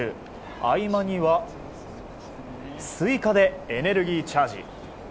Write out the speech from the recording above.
合間には、スイカでエネルギーチャージ。